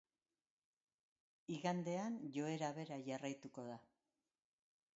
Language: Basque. Igandean joera bera jarraituko da.